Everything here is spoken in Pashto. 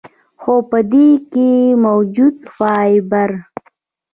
خو پۀ دې کښې موجود فائبر ،